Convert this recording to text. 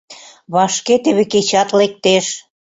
Вашке теве кечат лектеш.